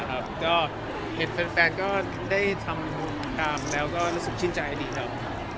ก็เห็นแฟนก็ได้ทำตามแล้วก็รู้สึกชื่นใจดีครับ